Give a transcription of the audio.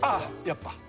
やっぱ！